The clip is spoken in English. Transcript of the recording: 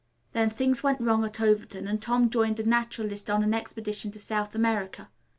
Then things went wrong at Overton and Tom joined a naturalist on an expedition to South America.